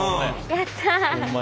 やった。